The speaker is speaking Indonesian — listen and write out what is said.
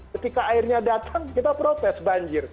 ketika airnya datang kita protes banjir